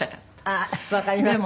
ああわかります。